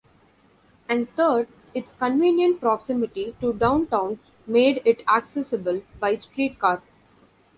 And third, its convenient proximity to downtown made it accessible by streetcar.